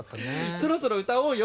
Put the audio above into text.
そろそろ歌おうよ。